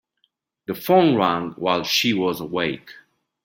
The phone rang while she was awake.